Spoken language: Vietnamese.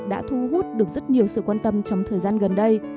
đã thu hút được rất nhiều sự quan tâm trong thời gian gần đây